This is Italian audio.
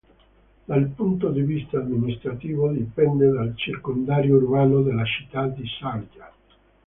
Dal punto di vista amministrativo, dipende dal circondario urbano della città di Šar'ja.